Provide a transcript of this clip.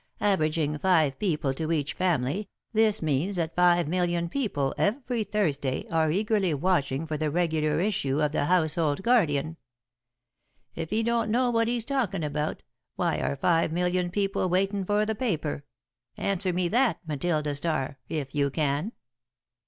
Averaging five people to each family, this means that five million people, every Thursday, are eagerly watching for the regular issue of The Household Guardian.' If he don't know what he's talkin' about, why are five million people waitin' for the paper? Answer me that, Matilda Starr, if you can!"